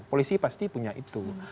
polisi pasti punya itu